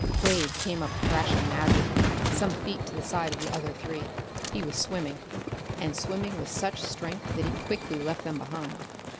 Quade came up thrashing madly, some feet to the side of the other three. He was swimming and swimming with such strength that he quickly left them behind.